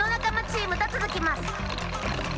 チームとつづきます。